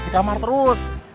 di kamar terus